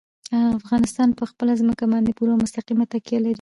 افغانستان په خپله ځمکه باندې پوره او مستقیمه تکیه لري.